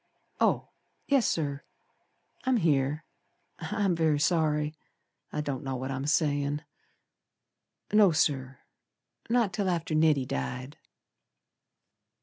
Oh, yes, Sir. I'm here. I'm very sorry, I don't know what I'm sayin'. No, Sir, Not till after Neddy died.